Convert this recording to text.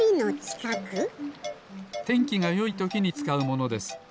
てんきがよいときにつかうものです。